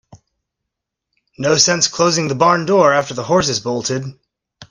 No sense closing the barn door after the horse has bolted.